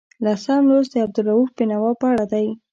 لسم لوست د عبدالرؤف بېنوا په اړه دی.